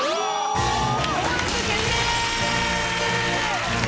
登録決定！